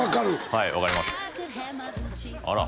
はい分かりますあら